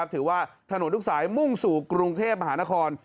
ถือว่าถนนทุกสายมุ่งสู่กรุงเทพมหานคร